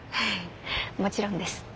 もちろんです。